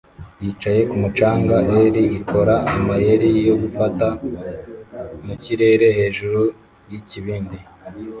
Yicaye kumu canga er ikora amayeri yo gufata mukirere hejuru yikibindi